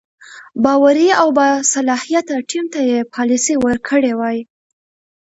باوري او باصلاحیته ټیم ته یې پالیسي ورکړې وای.